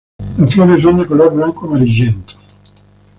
Las flores son de color blanco-amarillento.